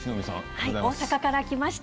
大阪から来ました。